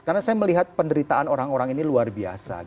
karena saya melihat penderitaan orang orang ini luar biasa